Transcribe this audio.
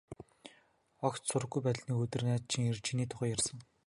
Огт сураггүй байтал нэг өдөр найз чинь ирж, чиний тухай ярьсан.